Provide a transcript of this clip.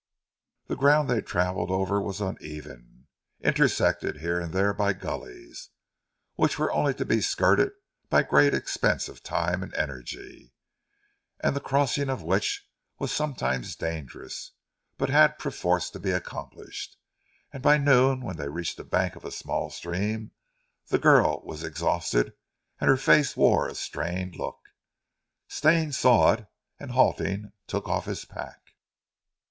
The ground they travelled over was uneven, intersected here and there by gullies, which were only to be skirted by great expense of time and energy, and the crossing of which was sometimes dangerous, but had perforce to be accomplished, and by noon, when they reached the bank of a small stream, the girl was exhausted and her face wore a strained look. Stane saw it, and halting, took off his pack.